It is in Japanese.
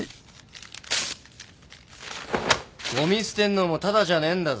ゴミ捨てんのもタダじゃねえんだぞ？